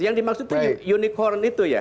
yang dimaksud punya unicorn itu ya